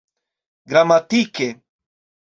gramatike